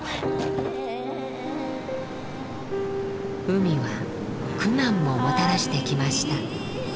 海は苦難ももたらしてきました。